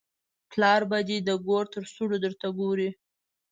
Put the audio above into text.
پلار به دې د ګور تر سوړو درته ګوري.